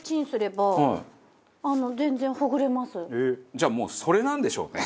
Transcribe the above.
じゃあもうそれなんでしょうね。